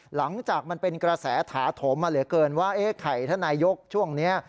หลังจากมันเป็นกระแสถาโถมมาเหลือเกินว่าไข่ท่านนายกช่วงนี้